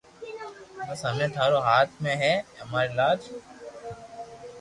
بس ھمي ٽارو ھاٿ مي ھي امري لاج